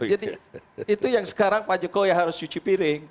itu yang sekarang pak jokowi harus cuci piring